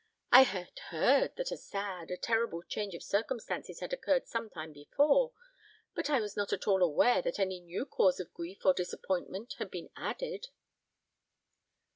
"I had heard that a sad, a terrible change of circumstances had occurred some time before; but I was not at all aware that any new cause of grief or disappointment had been added."